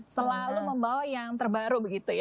selalu membawa yang terbaru begitu ya